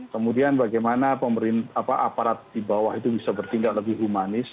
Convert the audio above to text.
kemudian bagaimana aparat di bawah itu bisa bertindak lebih humanis